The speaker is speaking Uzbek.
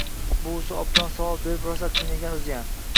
Buvisi obdon savol berib rosa qiynagan o`ziyam